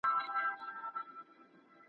د اسمان په خوښه دلته اوسېده دي `